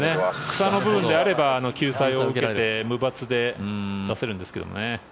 草の部分であれば救済を受けて無罰で出せるんですけどね。